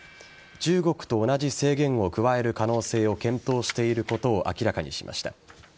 中国と同じ制限を加える可能性を検討していることを明らかにしました。